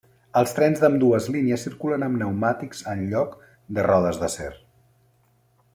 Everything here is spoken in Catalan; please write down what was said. Els trens d'ambdues línies circulen amb pneumàtics en lloc de rodes d'acer.